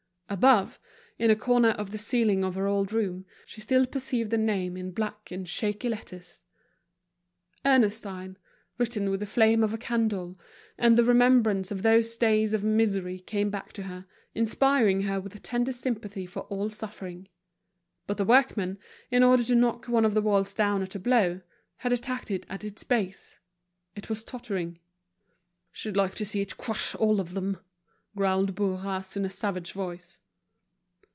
Above, in a corner of the ceiling of her old room, she still perceived the name in black and shaky lettersErnestine—written with the flame of a candle, and the remembrance of those days of misery came back to her, inspiring her with a tender sympathy for all suffering. But the workmen, in order to knock one of the walls down at a blow, had attacked it at its base. It was tottering. "Should like to see it crush all of them," growled Bourras, in a savage voice.